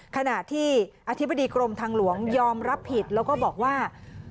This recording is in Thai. ขณะที่อธิบดีกรมทางหลวงยอมรับผิดแล้วก็บอกว่า